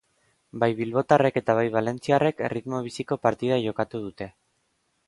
Bai bilbotarrek eta bai valentziarrek erritmo biziko partida jokatu dute.